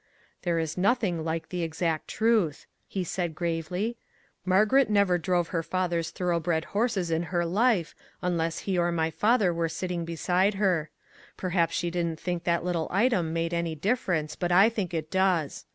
" There is nothing like the exact truth," he said gravely. " Margaret never drove her fa 244 "IF WE ONLY HADN'T" ther's thoroughbred horses in her life, unless he or my father were sitting beside her. Per haps she didn't think that little item made any difference, but I think it does.